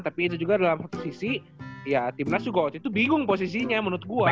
tapi itu juga dalam satu sisi ya timnas juga waktu itu bingung posisinya menurut gue